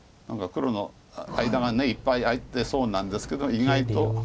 何か黒の間がいっぱい空いてそうなんですけど意外と。